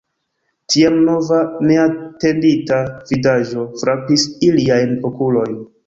Tiam nova neatendita vidaĵo frapis iliajn okulojn.